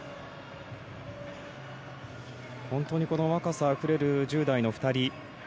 本当にこの若さあふれる１０代の２人。